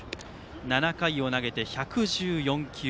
７回を投げて１１４球。